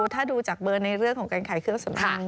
ถ้าดูจากเบอร์ในเรื่องของการขายเครื่องสำอาง